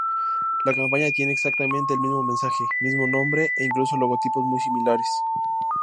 La campaña tiene exactamente el mismo mensaje, mismo nombre e incluso logotipos muy similares.